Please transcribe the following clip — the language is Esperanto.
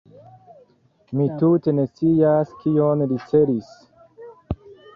Mi tute ne scias kion li celis.